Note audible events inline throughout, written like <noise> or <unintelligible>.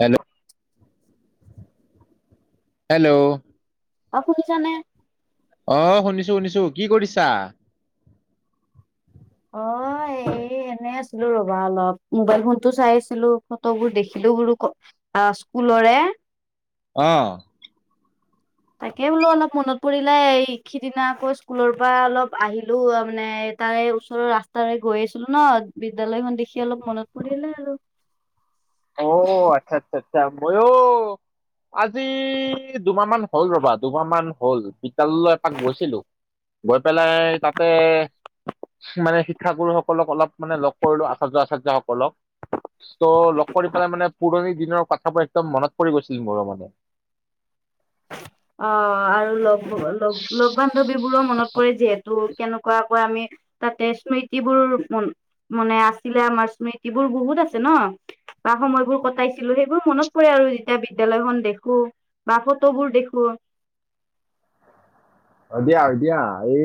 Hello, hello, অ' শুনিছানে অ', শুনিছো শুনিছো। কি কৰিছা? অ', এই এনে আছিলো ৰবা, অলপ মোবাইল ফোনটো চাই আছিলো, ফটোবোৰ দেখিলো বোলো ক- অ' স্কুলৰে, অ', তাকে বোলো অলপ মনত পৰিলে এই সিদিনা আকৌ স্কুলৰ পৰা অলপ আহিলো মানে তাৰে ওচৰৰ ৰাস্তাৰে গৈ আছিলো ন বিদ্যালয়খন দেখি অলপ মনত পৰিলে আৰু অ' আচ্ছা আচ্ছা আচ্ছা, মইয়ো আজি দুমাহমান হল ৰবা দুমাহমান হল, বিদ্যালয়লৈ এপাক গৈছিলো। গৈ পেলাই তাতে - মানে শিক্ষাগুৰুসকলক অলপ মানে লগ কৰিলো, আচাৰ্য আচাৰ্য্য সকলক। ত' লগ - কৰি পেলাই মানে পুৰণি দিনৰ কথাবোৰ একদম মনত পৰি গৈছিল মোৰ মানে। <inaudible> অ' আৰু লগ লগ বান্ধৱী বোৰো মনত পৰি যিহেতু কেনেকুৱাকৈ আমি তাতে স্মৃতি বোৰ মানে আছিলে আমাৰ স্মৃতি বোৰ বহুত আছে ন। বা সময়বোৰ কটাইছিলো সেইবোৰ মনত পৰে আৰু যেতিয়া বিদ্যালয়খন দেখো বা বোৰ দেখো দিয়া দিয়া এই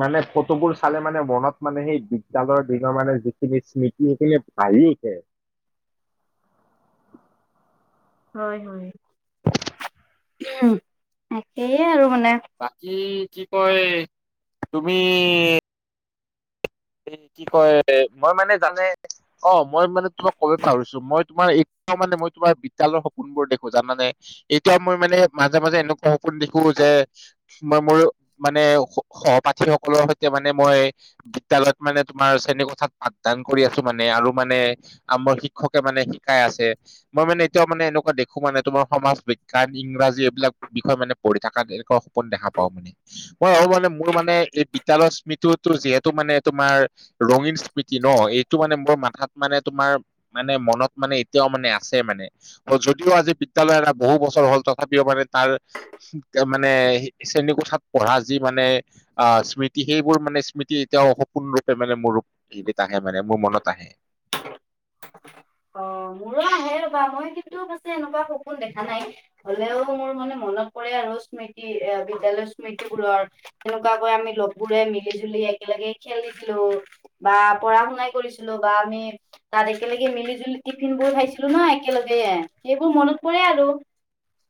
মানে ফটোবোৰ চালে মানে মনত মানে সেই বিদ্যালয়ৰ দিনৰ মানে যিখিনি স্মৃতি সেইখিনি ভাঁহি উঠে হয় হয় তাকেই আৰু মানে বাকি কি কয় তুমি এই কি কয় মই মানে জানে অ' মই মানে তোমাক ক'ব পৰিছো মই তোমাৰ এ মানে মই তোমাৰ বিদ্যালয়ৰ সপোনবোৰ দেখো জানা নে? এতিয়া মই মানে মাজে মাজে এনেকুৱা সপোন দেখো যে মই মোৰ মানে সহপাঠী সকলৰ সৈতে মানে মই বিদ্যালয়ত মানে তোমাৰ শ্ৰেণী কোঠাত পাঠদান কৰি আছো মানে আৰু মানে আমাৰ শিক্ষকে মানে শিকাই আছে মই মানে এতিয়াও মানে এনেকুৱা দেখো মানে তোমাৰ সমাজ বিজ্ঞান, ইংৰাজী এইবিলাক বিষয় মানে পঢ়ি থাকা এনেকুৱা সপোন দেখা পাওঁ মানে। মই আৰু মানে মোৰ মানে এই বিদ্যালয়ৰ স্মৃতিতো যিহেতু মানে তোমাৰ ৰঙীন স্মৃতি ন এইটো মানে মোৰ মাথাত মানে তোমাৰ মানে মনত মানে এতিয়াও মানে আছে মানে যদিও আজি বিদ্যয়ালয় এৰা বহু বছৰ হ'ল তথাপিও মানে তাৰ মানে শ্ৰেণীকোঠাত পঢ়া যি মানে আ স্মৃতি সেইবোৰ মানে স্মৃতি এতিয়াও স- পোন মানে মোৰ হেৰিত আহে মানে মোৰ মনত আহে। অ মোৰো আহে ৰবা মই কিন্তু পাছে এনেকুৱা সপোন দেখা নাই। হ'লেও মোৰ মানে মনত পৰে আৰু স্মৃতি এ বিদ্যালয়ৰ স্মৃতি বোৰৰ। সেনেকুৱাকৈ আমি লগবোৰে মিলি জুলি একেলগে খেলিছিলোঁ। বা পঢ়া শুনাই কৰিছিলো বা আমি তাত একেলগে মিলি জুলি টিফিন বোৰ খাইছিলো ন একেলগে সেইবোৰ মনত পৰে আৰু।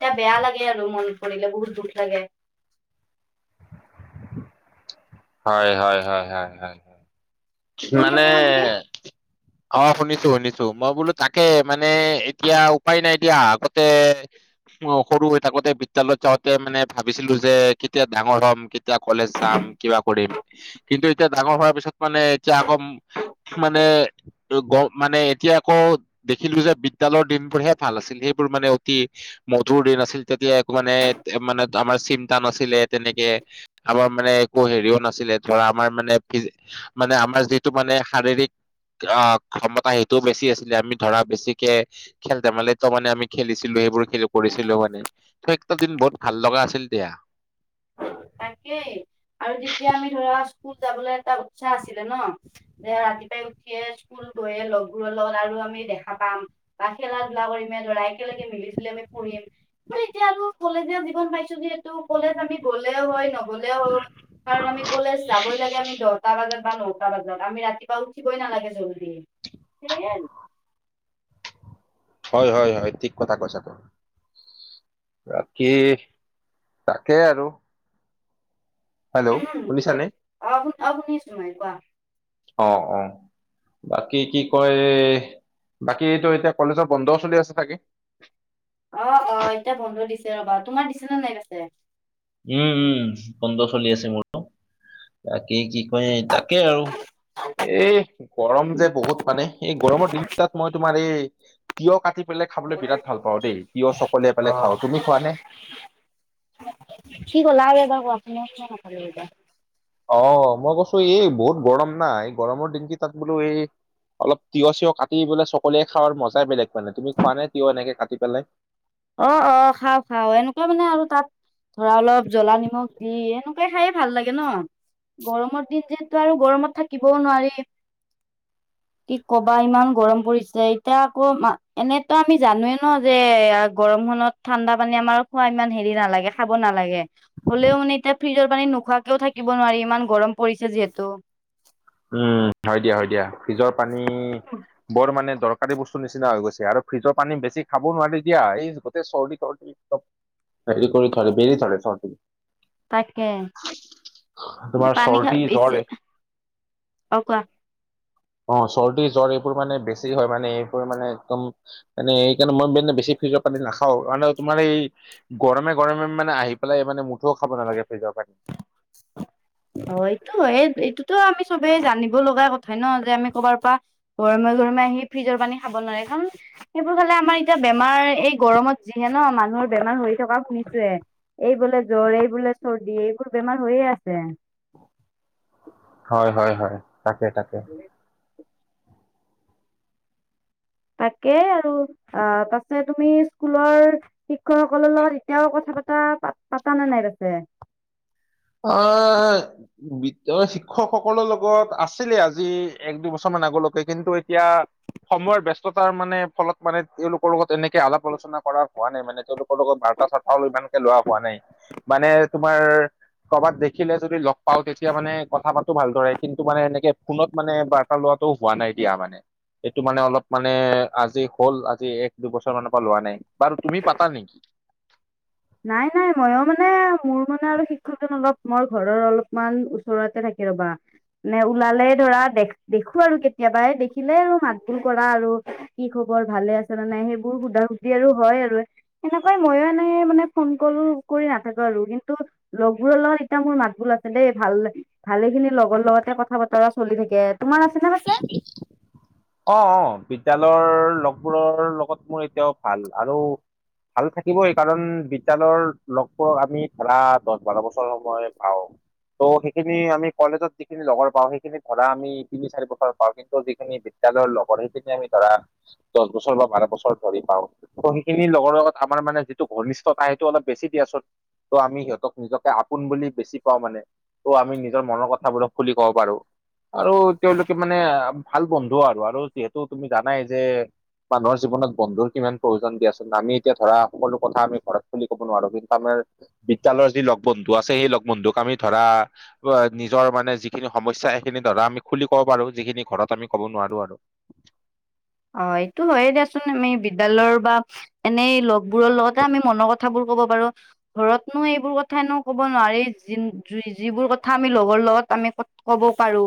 এতিয়া বেয়া লাগে আৰু মনত পৰিলে বহুত দুখ লাগে। হয় হয় হয় হয় হয়। শুনি মানে আছা ন তুমি? অ শুনিছো শুনিছো মই বোলো তাকে মানে এতিয়া উপায় নাই দিয়া আগতে অ সৰু হৈ থাকোতে বিদ্যালয়ত যাওঁতে মানে ভাবিছিলো যে কেতিয়া ডাঙৰ হম, কেত- তিয়া কলেজ যাম কিবা কৰিম কিন্তু এতিয়া ডাঙৰ হোৱাৰ পিছত মানে এতিয়া আকৌ মানে গ মানে এতিয়া আকৌ দেখিলো যে বিদ্যালয়ৰ দিনবোৰ হে ভাল আছিল সেইবোৰ মানে অতি- মধুৰ দিন আছিল তেতিয়া একো মানে মানে আমাৰ চিন্তা নাছিলে তেনেকে আমাৰ মানে একো হেৰিও নাছিলে ধৰা আমাৰ মানে ফিজি- মানে আমাৰ যিটো মানে শাৰীৰিক অ ক্ষমতা সেইটোও বেছি আছিলে আমি ধৰা বেছিকে খেল ধেমালি টো মানে আমি খেলিছিলো সেইবোৰ কৰিছিলো মানে ত একটা দিন বহুত ভাল লগা আছিল দিয়া। তাকেই আৰু যেতিয়া আমি ধৰা স্কুল যাবলৈ এটা উৎসাহ আছিলে ন। দে ৰাতিপুৱাই উঠিয়ে স্কুল গৈয়ে লগবোৰ লগ আৰু আমি দেখা পাম। বা খেলা ধূলা কৰি লৰা একেলগে মিলি জুলি আমি পঢ়িম মোৰ এতিয়া আৰু কলেজীয়া জীৱন পাইছো যিহেতু কলেজ আমি গ- লেও হয় নগলেও হয় কাৰণ আমি কলেজ যাবই লাগে আমি দহটা বজাত। বা নটা বজাত আমি ৰাতিপুৱা উঠিবই নালাগে জল্দি সেয়াই। হয় হয় হয় ঠিক কথা কৈছা তুম- বাকী তাকে আৰু হেল্ল' শুনিছা নে? অ শুন অ শুনিছো মই কোৱা অ অহ বাকী কি কয় বাকীটো এতিয়া কলেজৰ বন্ধও চলি আছে চাগে? অ অ এতিয়া বন্ধ দিছে ৰবা। তোমাৰ দিছেনে নাই পিছে? উম উম বন্ধ চলি আছে মোৰো তাকে কি কয় তাকে আৰু। এই গৰম যে বহুত মানে এই গৰমৰ দিন তাত মই তোমাৰ এই তিয়হ কাটি পেলাই খাবলৈ বিৰাট ভাল পাওঁ দেই। তিয়হ চকলিয়াই পেলাই অ খাওঁ তুমি খোৱা নে? কি ক'লা আৰু এবাৰ কোৱাচোন শুনিয়ে নাপালোঁ এইবাৰ। অ মই কৈছো এই বহুত গৰম না গৰমৰ দিন কি তাত বোলো এই অলপ তিয়হ চিয়হ কাটি পেলাই চকলিয়াই খাৱাৰ মজাই বেলেগ মানে তুমি খোৱা নাই তিয়হ এনেকে কাটি পেলাই? অ অ খাওঁ খাওঁ এনেকুৱা মানে আৰু তাত ধৰা অলপ জ্বলা নিমখ দি এনেকুৱাই খাইয়ে ভাল লাগে ন। গৰমৰ দিন যিহেতু আৰু গৰমত থাকিবও নোৱাৰি। <inaudible> কি কবা ইমান গৰম পৰিছে এতিয়া আকৌ এনেতো আমি জানোৱে ন যে গৰম খনত ঠাণ্ডা পানী আমাৰ খোৱা ইমান হেৰি নালাগে খাব নালাগে হলেও মানে এতিয়া ফ্ৰিজৰ পানী নোখোৱাকেও থাকিব নোৱাৰি ইমান গৰম পৰিছে যিহেতু উম হয় দিয়া হয় দিয়া ফ্ৰিজৰ পানী বৰ মানে দৰ দৰকাৰী বস্তু নিচিনা হৈ গৈছে আৰু ফ্ৰিজৰ পানী বেছি খাব নোৱাৰি দিয়া এই গোটেই চৰ্দি চৰ্দি এইচপ হেৰি কৰি থৰে বেৰি ধৰে চৰ্দি তাকে তোমাৰ পানী খা চৰ্দি জ্বৰ পিছে এই অ কোৱা অ চৰ্দি জ্বৰ এইবোৰ মানে বেছি হয় মানে এইবোৰ মানে একদম মানে সেইকাৰণে মই মানে বেছি ফিজৰ পানী নাখাও কাৰণে তোমাৰ এই গৰমে গৰমে মানে আহি পেলাই মানে মুঠো খাব নালাগে ফ্ৰিজৰ পানী অ এইটো হয়ে এই এইটোতো আমি চবেই জানিব লগা কথাই ন যে আমি কৰবাৰ পৰা গৰমে গৰমে আহি ফ্ৰিজৰ পানী খাব নোৱাৰে কাৰণ সেইবোৰ খালে আমাৰ এতিয়া বেমাৰ এই গৰমত যিহে ন মানুহৰ বেমাৰ হৈ থকা শুনিছোৱে এই বোলে জ্বৰ এই বোলে চৰ্দি এইবোৰ বেমাৰ হৈয়ে আছে হয় হয় হয় তাকে তাকে তাকে আৰু অ পাছে তুমি স্কুলৰ শিক্ষকসকলৰ লগত এতিয়াও কথা পাতা পাত পাতা নে নাই পাছে অ শিক্ষকসকলৰ লগত আছিলে আজি এক দুবছৰ মান আগলৈকে কিন্তু এতিয়া সময়ৰ ব্যস্ততাৰ মানে ফলত মানে তেওঁলোকৰ লগত এনেকে আলাপ আলোচনা কৰা হোৱা নাই মানে তেওঁলোকৰ লগত বাৰ্তা চাৰ্থা ইমানকে লোৱা হোৱা নাই মানে তোমাৰ কৰ'বাত দেখিলে যদি লগ পাওঁ তেতিয়া মানে কথা পাতো ভাল দৰে কিন্তু মানে এনেকে ফোনত মানে বা ৰ্তা লোৱাতো হোৱা নাই দিয়া মানে এইটো মানে অলপ মানে আজি হ'ল আজি এক দুবছৰ মানৰ পৰা লোৱা নাই বাৰু তুমি পাতা নেকি? নাই নাই মই মানে মোৰ মানে আৰু শিক্ষকজন অলপ মোৰ ঘৰৰ অলপমান ওচৰতে থাকে ৰবা নে ওলালে ধৰা দেখ দেখো আৰু কেতিয়াবাই দেখিলে আৰু মাত বোল কৰা আৰু কি খবৰ ভালে আছে নে নাই সেইবোৰ সুধা সুধি আৰু হয় আৰু সেনেকুৱাই মই এনে মানে ফোন কলো কৰি নাথাকো আৰু কিন্তু লগবোৰৰ এতিয়া মোৰ মাতবোল আছে দেই ভাল লাগ ভালে খিনি লগৰ লগতে কথা বতৰা চলি থাকে তোমাৰ আছে নে <unintelligible> অ অ বিদ্যালয়ৰ লগবোৰৰ লগত মোৰ এতিয়াও ভাল আৰু ভাল থাকিবই কাৰণ বিদ্যালয়ৰ লগবোৰ আমি ধৰা দহ বাৰ বছৰ সময় পাওঁ ত' সেইখিনি আমি কলেজত যিখিনি লগৰ পাওঁ সেইখিনি ধৰা আমি তিনি চাৰি বছৰ পাওঁ কিন্তু যিখিনি বিদ্যালয়ৰ লগৰ সেইখিনি আমি ধৰা দহ বছৰ বা বাৰ বছৰ ধৰি পাওঁ ত সেইখিনিৰ লগৰ লগত আমাৰ মানে যিটো ঘনিষ্ঠতা সেইটো অলপ বেছি দিয়া চোন ত' আমি সিহঁতক নিজকে আপোন বুলি বেছি পাওঁ মানে ত' আমি নিজৰ মনৰ কথাবোৰক খুলি কব পাৰো আৰু তেওঁলোকে মানে ভাল বন্ধু আৰু আৰু যিহেতু তুমি জানাই যে মানুহৰ জীৱনত বন্ধুৰ কিমান প্ৰয়োজন দিয়াচোন আমি এতিয়া ধৰা সকলো কথা আমি ঘৰত খুলি ক'ব নোৱাৰো কিন্তু আমাৰ বিদ্যয়ালয়ৰ যি লগ বন্ধু আছে সেই লগ বন্ধুক আমি ধৰা নিজৰ মানে যিখিনি সমস্যা সেইখিনি ধৰা আমি খুলি ক'ব পাৰো যিখিনি ঘৰত আমি ক'ব নোৱাৰো আৰু হয এইটো হয়ে দিয়াচোন আমি বিদ্যালয়ৰ বা এনেই লগবোৰৰ লগতে আমি মনৰ ক থাবোৰ ক'ব পাৰো। ঘৰতনো এইবোৰ কথা এনো ক'ব নোৱাৰি যিবোৰ কথা আমি লগৰ লগত আমি কব পাৰো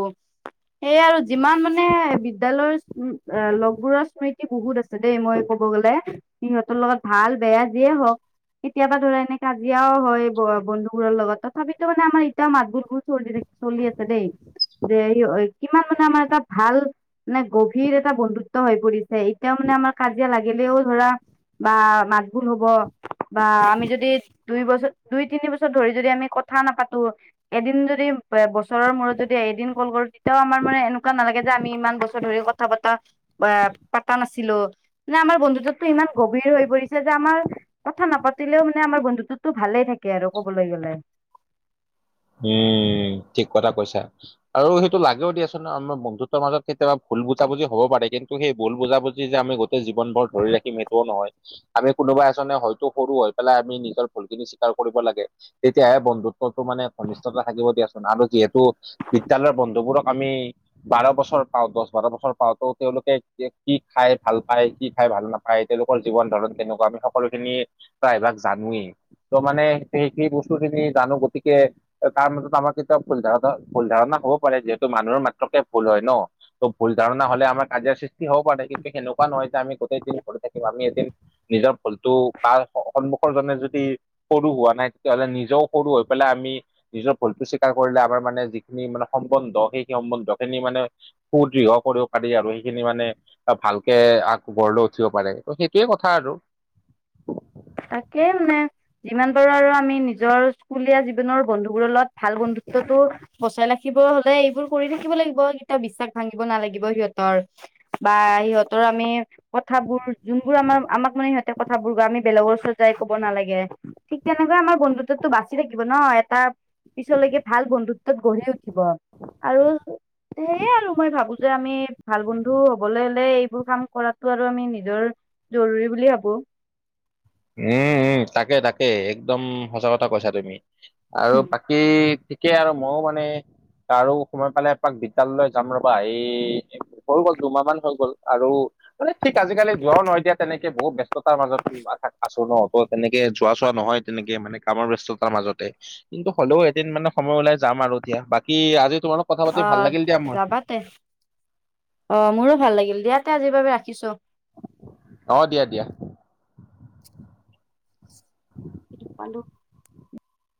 সেইয়া আৰু যিমান মানে বিদ্যালয়ৰ লগ বোৰৰ স্মৃতি বহুত আছে দেই মই কব গ'লে সিহঁতৰ লগত ভাল বেয়া যিয়ে হওঁক কেতিয়াবা ধৰা এনে কাজিয়াও হয় বন্ধুবোৰৰ লগত তথাপিতো মানে আমাৰ এতিয়াও মাতবোৰবোৰ চলিয়ে চলিয়ে আছে দেই কিমান মানে আমাৰ এটা ভাল মানে গভীৰ এটা বন্ধুত্ব হৈ পৰিছে এতিয়াও মানে আমাৰ কাজিয়া লাগিলেও ধৰা বা মাতবুল হ'ব বা আমি যদি দুই বছৰ দুই তিনি বছৰ ধৰি যদি আমি কথা নাপাতো এদিন যদি এ বছৰৰ মূৰত যদি এদিন কল কৰো তেতিয়াও আমাৰ মানে এনেকুৱা নালাগে যে আমি ইমান বছৰ ধৰি ক- কথা বতা বা পতা নাছিলো মানে আমাৰ বন্ধুত্বটো ইমান গভীৰ হৈ পৰিছে যে আমাৰ কথা নাপাতিলেও মানে আমাৰ বন্ধুততো ভালে থাকে আৰু কবলৈ গ'লে উম ঠিক কথা কৈছা আৰু সেইটো লাগেও দিয়াচোন আমাৰ বন্ধুত্ব মাজত কেতিয়া ভুল বুজাবুজি হব পাৰে কিন্তু সেই ভুল বুজাবুজিৰ যে আমি গোটেই জীৱন ভৰ ধৰি ৰাখিম সেইটোও নহয় আমি কোনোবা এজনে হয়তো সৰু হৈ পেলাই আমি নিজৰ ভুলখিনি স্বীকাৰ কৰিব লাগে তেতিয়াহে বন্ধুত্বটো মানে ঘিষ্টতা থাকিব দিয়াচোন আৰু যিহেতু বিদ্যালয়ৰ বন্ধুবোৰক আমি বাৰ বছৰ পাও দহ বাৰ বছৰ পাওতো তেওঁলোকে কি খাই ভাল পায় কি খাই ভাল নাপায় তেওঁলোকৰ জীৱন ধৰণ তেনেকুৱা আমি সকলোখিনি প্ৰায় ভাগ জানোৱেই তো মানে সেই সেই বস্তু খিনি জানো গতিকে তাৰ মাজত আমাৰ কেতিয়াও ভুল ধাৰণা ভুল ধাৰণা হব পাৰে যিহেতু মানুহৰ মাত্ৰকে ভুল হয় ন ত' ভুল ধাৰণা হলে আমাৰ কাজিৰ সৃষ্টি হব পাৰে কিন্তু সেনেকুৱা নহয় যে আমি গোটেই দিন কৰি থাকিম আমি এদিন নিজৰ ভুলটো বা সন্মুখৰ জনে যদি সৰু হোৱা নাই তেতিয়াহ'লে নিজেও সৰু হৈ পেলাই আমি নিজৰ ভুলটো স্বীকাৰ কৰিলে আমাৰ মানে যিখিনি মানে সম্বন্ধ সেই সম্বন্ধ খিনি মানে সুদৃঢ় কৰিব পাৰি আৰু সেইখিনি মানে ভালকে আগ গঢ় লৈ উঠিব পাৰে ত সেইটোৱে কথা আৰু তাকে মানে যিমান পাৰো আৰু আমি নিজৰ স্কুলীয়া জীৱনৰ বন্ধুবোৰ লগত ভাল বন্ধুত্বতটো বচাই ৰাখিব হলে এইবোৰ কৰি থাকিব লাগিব এতিয়া বিশ্বাস ভাঙিব নালাগিব সিহঁতৰ বা সিহঁতৰ আমি কথাবোৰ যোনবোৰ আমাৰ আমাক মানে সিহঁতে কথাবোৰ আমি। বেলেগৰ ওচৰত যাই ক'ব নালাগে ঠিক তেনেকৈ আমাৰ বন্ধুত্বো বাচি থাকিব ন এটা পিছলৈকে ভাল বন্ধুত্বত গঢ়ি উঠিব আৰু স আৰু মই ভাবো যে আমি ভাল বন্ধু হবলৈ হলে এইবোৰ কাম কৰাতো আৰু আমি নিজৰ জৰুৰী বুলি ভাবো উম উম তাকে তাকে একদম সঁচা কথা কৈছা তুমি আৰু বাকী এই ঠিকে আৰু ময়ো মানে। তাৰো সময় পালে এপাক বিদ্যালয়লৈ যাম ৰবা এই হৈ গ'ল দুমাহ মান হৈ গ'ল আৰু। মানে ঠিক আজিকালি যোৱা নহয় এতিয়া তেনেকে বহুত ব্যস্ততাৰ মাজত লোৱা থাকো ন ত তেনেকে যোৱা চোৱা নহয় তেনেকে মানে কামৰ ব্যস্ততাৰ মাজতে। কিন্তু হ'লেও এদিন মানে সময় ওলাই যাম আৰু এতিয়া বাকী আজি তোমালোক কথা পাতি অ ভাল লাগিল দিয়া মোৰ। যাবা তে অ' মোৰো ভাল লাগিল দিয়া আজিৰ বাবে ৰাখিছো অ', দিয়া দিয়া। <inaudible> পালো।